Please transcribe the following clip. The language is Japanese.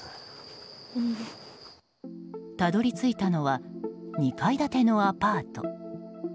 たどり着いたのは２階建てのアパート。